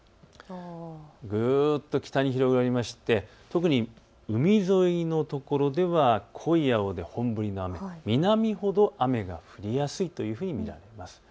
ぐっと北に広がりまして、特に海沿いのところでは濃い青で本降りの雨、南ほど雨が降りやすいというふうに見られます。